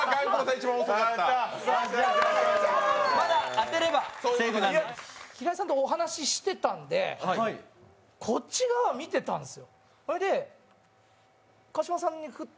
寝てる平井さんとお話してていたんで、こっち側を見てたんです。